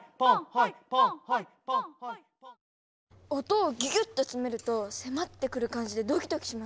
音をギュギュッとつめると迫ってくる感じでドキドキしますね。